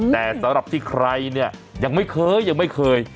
แต่สำหรับที่ใครเนี่ยยังไม่เคยยังไม่เคย